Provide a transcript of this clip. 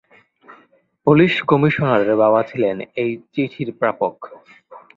Police কমিশনারের বাবা ছিলেন এই চিঠির প্রাপক।